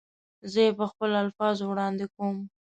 زه یې په خپلو الفاظو وړاندې کوم.